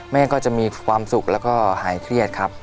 แม่ก็จะมีความสุขแล้วก็หายเครียดครับ